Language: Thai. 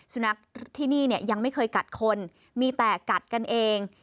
สุนัขที่นี่เนี่ยยังไม่เคยกัดคนมีแต่กัดกันเอง